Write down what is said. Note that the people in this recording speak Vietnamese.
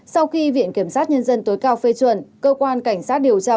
sau khi viện kiểm sát nhân dân tối cao phê chuẩn cơ quan cảnh sát điều tra